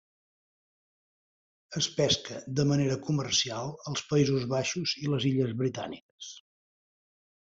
Es pesca de manera comercial als Països Baixos i les Illes Britàniques.